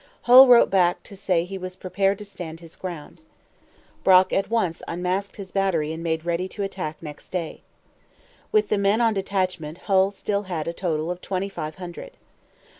Hull wrote back to say he was prepared to stand his ground. Brock at once unmasked his battery and made ready to attack next day. With the men on detachment Hull still had a total of twenty five hundred.